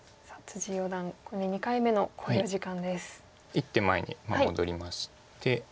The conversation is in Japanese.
１手前に戻りまして。